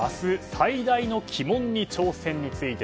最大の鬼門に挑戦について。